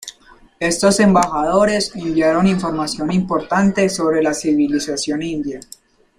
Estos embajadores enviaron información importante sobre la civilización india.